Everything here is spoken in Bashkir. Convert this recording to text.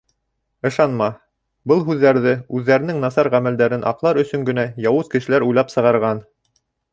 Ышанма, был һүҙҙәрҙе, үҙҙәренең насар ғәмәлдәрен аҡлар өсөн генә, яуыз кешеләр уйлап сығарған.